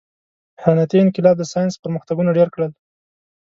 • صنعتي انقلاب د ساینس پرمختګونه ډېر کړل.